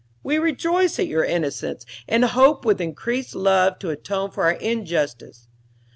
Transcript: We rejoice at your innocence, and hope with increased love to atone for our injustice.